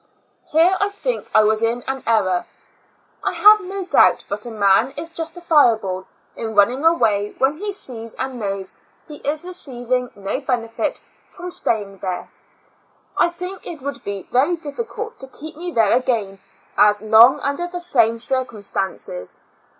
Here I think I was in g2 Two Years and Four Months ail error; I have no doubt but a man is jus tifiable in running away when he sees and knows he is receiving no benefit from stay ing there. I think it would be very diffi cult to keep me there again as long under the same circumstances.